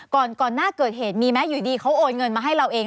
ก่อนหน้าเกิดเหตุมีไหมอยู่ดีเขาโอนเงินมาให้เราเอง